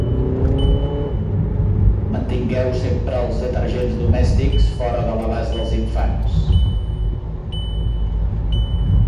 Mantingueu sempre els detergents domèstics fora de l'abast dels infants.